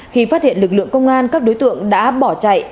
khi phát hiện lực lượng công an các đối tượng đã bỏ chạy